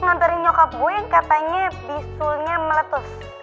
nganterin nyokap gue yang katanya bisulnya meletus